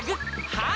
はい！